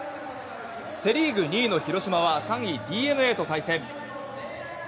セ・リーグ２位の広島は３位のＤｅＮＡと対戦。